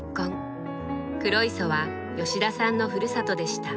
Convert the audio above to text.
黒磯は吉田さんのふるさとでした。